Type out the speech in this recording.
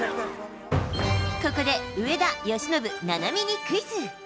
ここで上田、由伸、菜波にクイズ。